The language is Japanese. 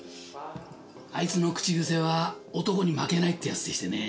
あいつの口癖は男に負けないって奴でしてね